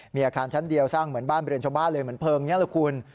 มีอาคานชั้นเดียว์สร้างเหมือนบ้านเบลือนชอบบ้านเหมือนพิลงศ์